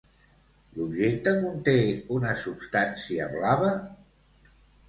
L'objecte conté una substància blava?